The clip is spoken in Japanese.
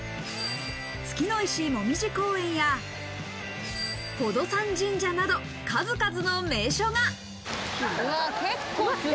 月の石もみじ公園や、宝登山神社など、数々の名所が。